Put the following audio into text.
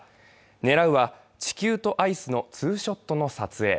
狙うは地球とアイスのツーショットの撮影。